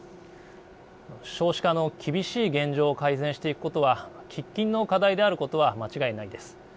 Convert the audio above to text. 少子化の厳しい現状を改善していくことは喫緊の課題であることは間違いないです。